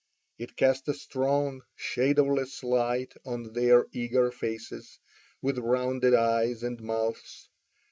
It cast a strong, shadowless light on their eager faces, with rounded eyes and mouths.